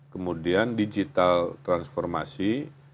kemudian digital transformasi